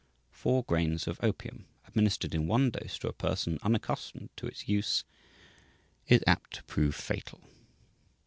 Four grains of opium, administered in one dose to a person unaccustomed to its use, is apt to prove fatal.